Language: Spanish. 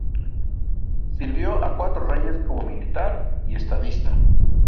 Sirvió a cuatro reyes como militar y estadista.